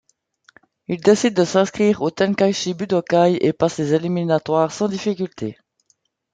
Ils décident de s'inscrire au Tenkaichi Budokai et passent les éliminatoires sans difficultés.